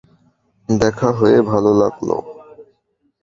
দেখা হয়ে ভালো লাগল।